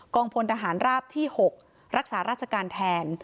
พลทหารราบที่๖รักษาราชการแทน